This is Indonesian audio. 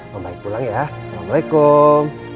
mambaik pulang ya assalamualaikum